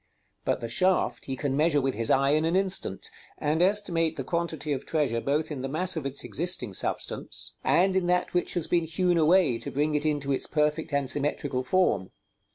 But the shaft he can measure with his eye in an instant, and estimate the quantity of treasure both in the mass of its existing substance, and in that which has been hewn away to bring it into its perfect and symmetrical form.